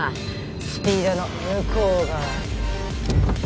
スピードの向こう側に。